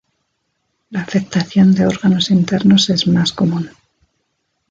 La afectación de órganos internos es más común.